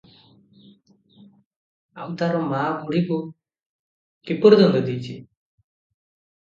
ଆଉ ତାର ମାଁ ବୁଢ଼ୀକୁ କିପରି ଦଣ୍ଡ ଦେଇଚି?